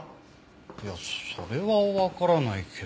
いやそれはわからないけど。